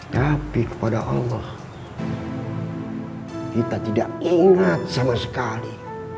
tapi kepada allah kita tidak ingat sama sekali